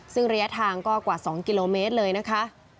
ซึ่งระยะทางก็กว่า๒กิโลเมตรเลยนะคะ